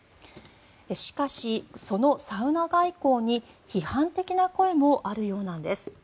しかし、そのサウナ外交に批判的な声もあるようなんです。